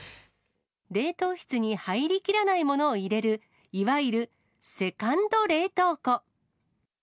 冷凍室に入りきらないものを入れる、いわゆるセカンド冷凍庫。